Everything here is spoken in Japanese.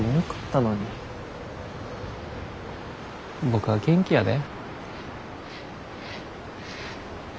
僕は元気やで。